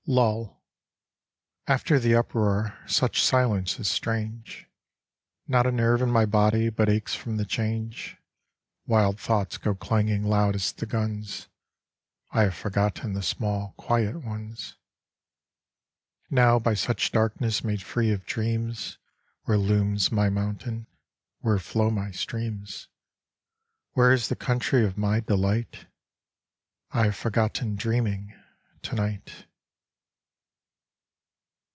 Lull After the uproar Such silence is strange. Not a nerve" in my body But aches from the change. Wild thoughts go clanging Loud as the guns : I have forgotten The small quiet ones. Now by such darkness Made free of dreams, Where looms my mountain? Where flow my streams? Where is the country Of my delight? I have forgotten Dreaming, tonight.